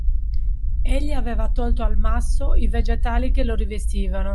Egli aveva tolto al masso i vegetali che lo rivestivano